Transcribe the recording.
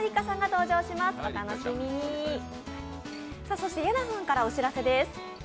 そして、イェナさんからお知らせです。